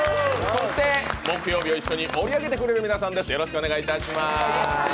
そして、木曜日を一緒に盛り上げてくれる皆さんです。